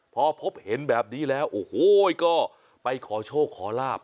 พอพบเห็นแบบนี้แล้วโอ้โหก็ไปขอโชคขอลาบ